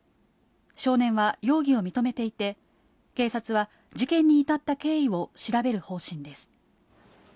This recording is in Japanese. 少年は容疑を認めていて、警察は事件に至った経緯を調べる方針です。